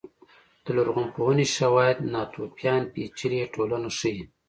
د لرغونپوهنې شواهد ناتوفیان پېچلې ټولنه ښيي.